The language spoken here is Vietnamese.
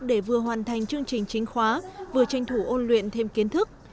để vừa hoàn thành chương trình chính khóa vừa tranh thủ ôn luyện thêm kiến thức